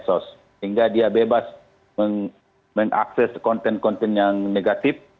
sehingga dia bebas mengakses konten konten yang negatif